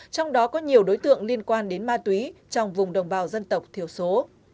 trong đó có nhiều đối tượng liên quan đến ma túy trong vùng đồng bào dân tộc thiểu số